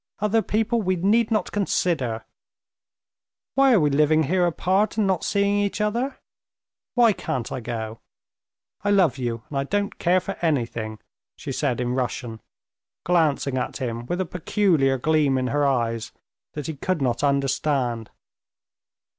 Other people we need not consider. Why are we living here apart and not seeing each other? Why can't I go? I love you, and I don't care for anything," she said in Russian, glancing at him with a peculiar gleam in her eyes that he could not understand.